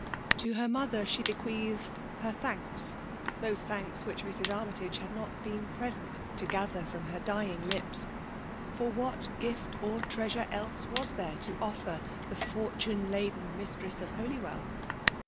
To her mother she bequeathed her thanks, — ^those thanks which Mrs. Armytage had not been present to gather from her dying lips: for what gift or treasure else was there to offer to the fortune laden mistress of Holywell